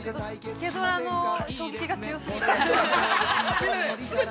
◆「イケドラ」の衝撃が強過ぎて。